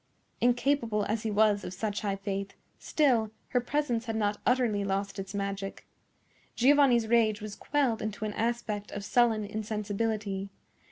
Incapable as he was of such high faith, still her presence had not utterly lost its magic. Giovanni's rage was quelled into an aspect of sullen insensibility.